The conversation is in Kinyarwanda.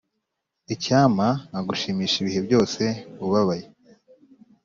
icyampa nkagushimisha ibihe byose ubabaye,